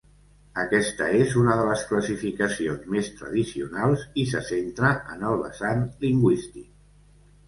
Aquesta és una de les classificacions més tradicionals i se centra en el vessant lingüístic.